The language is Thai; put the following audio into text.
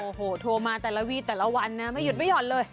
โอ้โหโทรมาแต่ละวีแต่ละวันนะไม่หยุดไม่หย่อนเลย